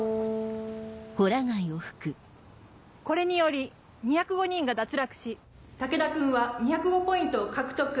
これにより２０５人が脱落し武田君は２０５ポイントを獲得。